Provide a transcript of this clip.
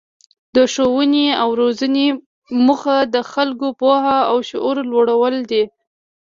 د ښوونې او روزنې موخه د خلکو پوهه او شعور لوړول دي.